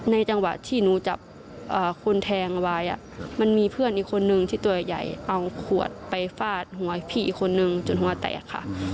จังหวะที่หนูจับคนแทงไว้มันมีเพื่อนอีกคนนึงที่ตัวใหญ่เอาขวดไปฟาดหัวพี่อีกคนนึงจนหัวแตกค่ะ